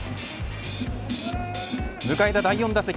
迎えた第４打席